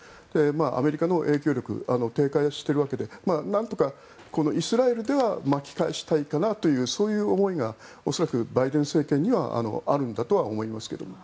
アメリカの影響力低下しているわけでなんとかイスラエルでは巻き返したいかなというそういう思いが恐らくバイデン政権にはあるんだとは思いますけども。